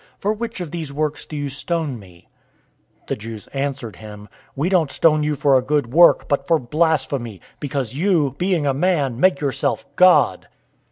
For which of those works do you stone me?" 010:033 The Jews answered him, "We don't stone you for a good work, but for blasphemy: because you, being a man, make yourself God."